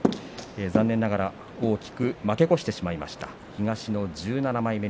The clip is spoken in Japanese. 残念ながら大きく負け越してしまいました東の１７枚目。